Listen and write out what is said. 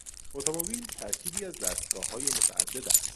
اتومبیل ترکیبی از دستگاههای متعدد است.